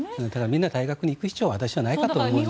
みんな大学に行く必要は私はないかと思いますね。